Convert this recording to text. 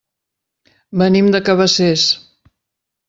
Venim de Cabacés.